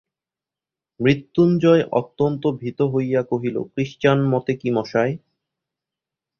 মৃত্যুঞ্জয় অত্যন্ত ভীত হইয়া কহিল, ক্রিশ্চান মতে কী মশায়?